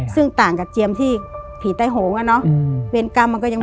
ซึ่งต่างกับเจียมที่ผีใต้โหงอ่ะเนอะเวรกรรมมันก็ยังไม่